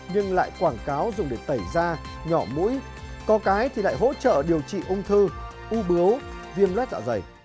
nhưng lại quảng cáo dùng để tẩy da nhỏ mũi có cái thì lại hỗ trợ điều trị ung thư u bướu viêm lết dạ dày